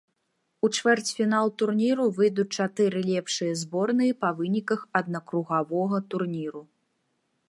У чвэрцьфінал турніру выйдуць чатыры лепшыя зборныя па выніках аднакругавога турніру.